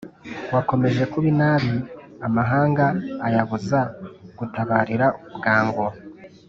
wakomeje kuka inabi amahanga ayabuza gutabarira bwangu